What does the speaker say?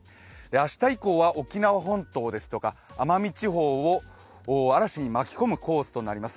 明日以降は沖縄本島ですとか奄美地方を嵐に巻き込むコースとなります。